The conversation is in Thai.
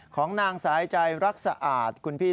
ของนางสายใจรักสะอาดคุณพี่